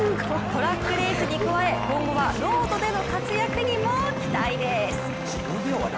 トラックレースに加え今後はロードでの活躍にも期待です。